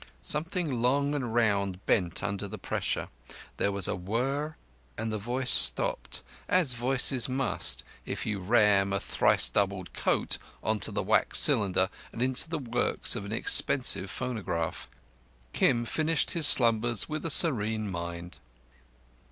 Something long and round bent under the pressure, there was a whirr and the voice stopped—as voices must if you ram a thrice doubled coat on to the wax cylinder and into the works of an expensive phonograph. Kim finished his slumbers with a serene mind.